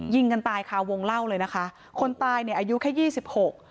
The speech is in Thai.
ยิงกันตายค่ะวงเล่าเลยนะคะคนตายเนี่ยอายุแค่ยี่สิบหก